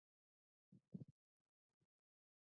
د افغانستان په منظره کې جلګه ښکاره ده.